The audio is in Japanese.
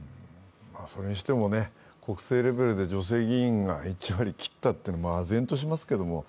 それにしても国政レベルで女性議員が１割切ったというのは、あぜんとしますけれども。